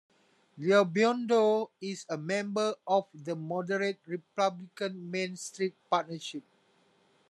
LoBiondo is a member of the moderate Republican Main Street Partnership.